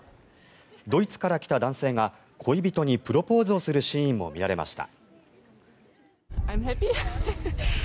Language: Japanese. ドイツから来た男性が恋人にプロポーズするシーンも見られました。